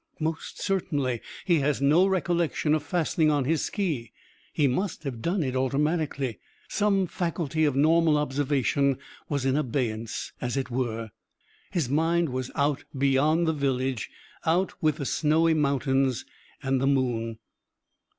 Most certainly he has no recollection of fastening on his ski; he must have done it automatically. Some faculty of normal observation was in abeyance, as it were. His mind was out beyond the village out with the snowy mountains and the moon.